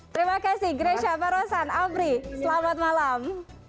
terima kasih greysia pak rosa apri selamat malam